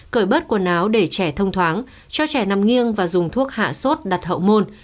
cởi bớt quần áo để trẻ thông thoáng cho trẻ nằm nghiêng và dùng thuốc hạ sốt đặt hậu môn